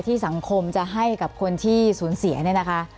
สังคมจะให้กับคนที่สูญเสียเนี่ยนะคะ